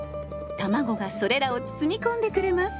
卵がそれらを包み込んでくれます。